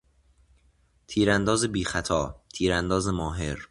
تیرانداز بیخطا، تیرانداز ماهر